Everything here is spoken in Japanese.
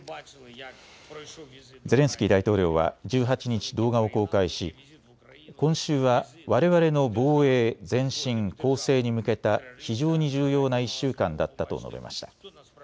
ゼレンスキー大統領は１８日、動画を公開し今週はわれわれの防衛、前進、攻勢に向けた非常に重要な１週間だったと述べました。